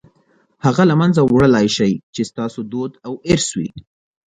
هغه له منځه وړلای شئ چې ستاسو دود او ارث وي.